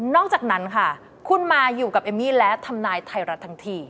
จากนั้นค่ะคุณมาอยู่กับเอมมี่และทำนายไทยรัฐทั้งที